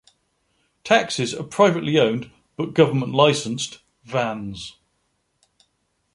Taxis are privately owned, but government licensed, vans.